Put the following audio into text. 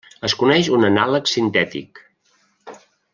Es coneix un anàleg sintètic.